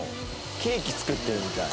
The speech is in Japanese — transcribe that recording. ケーキ作ってるみたい。